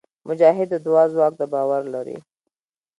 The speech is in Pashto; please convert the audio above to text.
مجاهد د دعا ځواک ته باور لري.